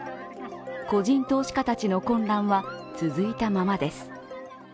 個人投資家たちの混乱は続いたままです。